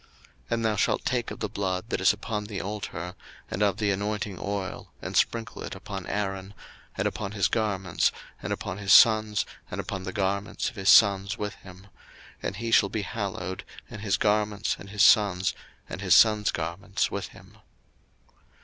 02:029:021 And thou shalt take of the blood that is upon the altar, and of the anointing oil, and sprinkle it upon Aaron, and upon his garments, and upon his sons, and upon the garments of his sons with him: and he shall be hallowed, and his garments, and his sons, and his sons' garments with him.